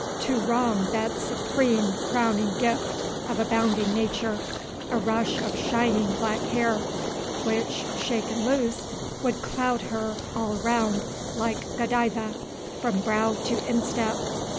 to wrong that supreme crowning gift of abounding Nature, a rush of shining black hair, which, shaken loose, would cloud her all round, like Godiva, from brow to instep!